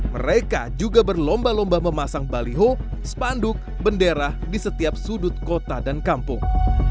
mereka juga berlomba lomba memasang baliho spanduk bendera di setiap sudut kota dan kampung